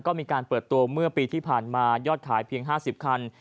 ก็มีการเปิดตัวเมื่อปีที่ผ่านมายอดขายเพียง๕๐คัน